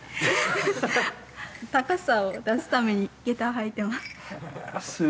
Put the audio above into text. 高さを出すために下駄を履いてます。